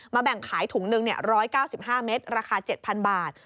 แบ่งขายถุงหนึ่ง๑๙๕เมตรราคา๗๐๐บาท